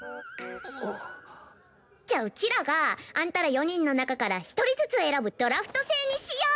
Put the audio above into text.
じゃあうちらがあんたら４人の中から１人ずつ選ぶドラフト制にしよう！